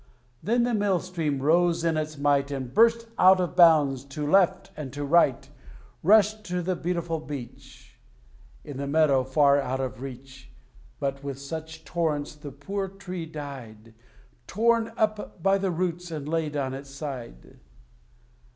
Then the Mill Stream rose in its might, And burst out of bounds to left and to right, Rushed to the beautiful Beech, In the meadow far out of reach. But with such torrents the poor tree died, Torn up by the roots, and laid on its side.